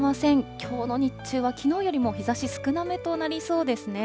きょうの日中はきのうよりも日ざし少なめとなりそうですね。